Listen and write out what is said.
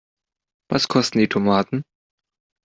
Was kosten die Tomaten?